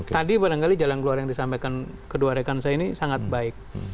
tadi barangkali jalan keluar yang disampaikan kedua rekan saya ini sangat baik